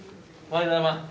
おはようございます。